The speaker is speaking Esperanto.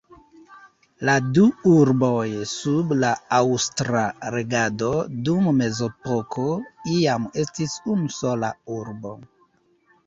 La du urboj sub la aŭstra regado dum mezepoko iam estis unu sola urbo.